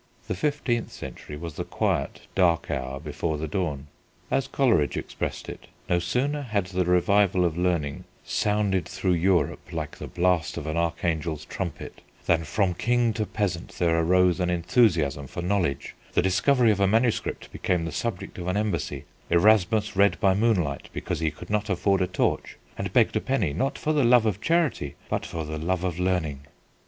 The fifteenth century was the quiet dark hour before the dawn. As Coleridge expressed it: No sooner had the Revival of learning "sounded through Europe like the blast of an archangel's trumpet than from king to peasant there arose an enthusiasm for knowledge, the discovery of a manuscript became the subject of an embassy: Erasmus read by moonlight because he could not afford a torch, and begged a penny, not for the love of charity, but for the love of learning."